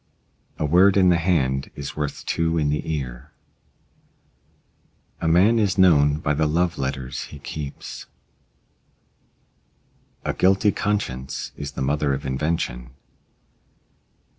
A word in the hand is worth two in the ear. A man is known by the love letters he keeps. A guilty conscience is the mother of invention.